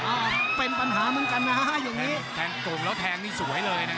อ้าวเป็นปัญหาเหมือนกันนะฮะอย่างนี้แทงโก่งแล้วแทงนี่สวยเลยนะ